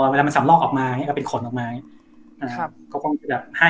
เวลามันสำหรอกออกมาอย่างงี้ก็เป็นขนออกมาอย่างงี้ครับเขาก็คงแบบให้อ่ะ